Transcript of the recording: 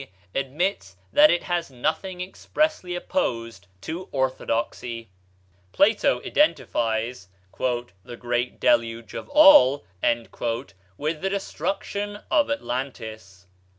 admits that it has nothing expressly opposed to orthodoxy. Plato identifies "the great deluge of all" with the destruction of Atlantis.